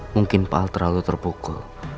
mungkin pak al terlalu terpukul